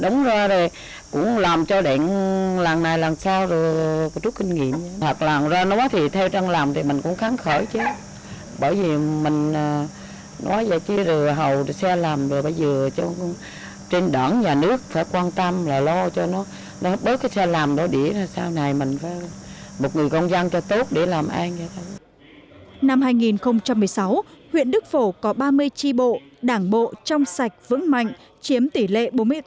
năm hai nghìn một mươi sáu huyện đức phổ có ba mươi tri bộ đảng bộ trong sạch vững mạnh chiếm tỷ lệ bốn mươi tám ba